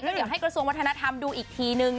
เดี๋ยวให้กระทรวงวัฒนธรรมดูอีกทีนึง